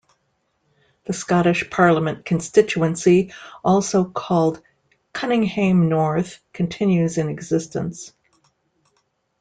The Scottish Parliament constituency also called "Cunninghame North" continues in existence.